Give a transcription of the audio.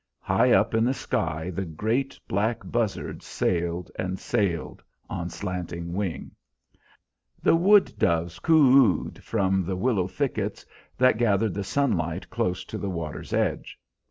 High up in the sky the great black buzzards sailed and sailed on slanting wing; the wood doves coo oo ed from the willow thickets that gathered the sunlight close to the water's edge.